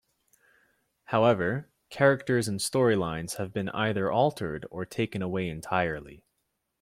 However, characters and storylines have been either altered or taken away entirely.